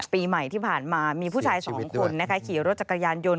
ปีใหม่ที่ผ่านมามีผู้ชายสองคนนะคะขี่รถจักรยานยนต